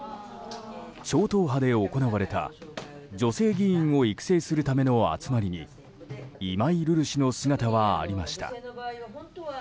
超党派で行われた女性議員を育成するための集まりに今井瑠々氏の姿はありました。